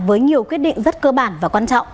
với nhiều quyết định rất cơ bản và quan trọng